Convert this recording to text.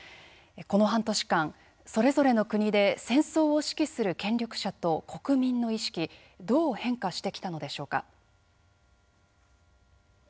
この半年間それぞれの国で戦争を指揮する権力者と国民の意識どう変化してきたのでしょうか。